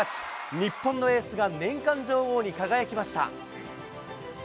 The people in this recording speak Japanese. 日本のエースが年間女王に輝きました。